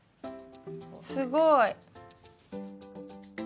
すごい。